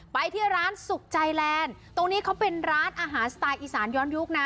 ไปที่ร้านสุขใจแลนด์ตรงนี้เขาเป็นร้านอาหารสไตล์อีสานย้อนยุคนะ